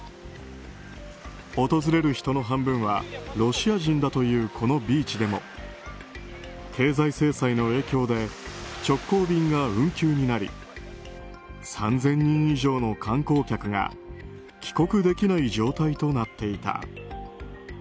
訪れる人の半分はロシア人だというこのビーチでも経済制裁の影響で直行便が運休になり３０００人以上の観光客が帰国できない状態となっていた。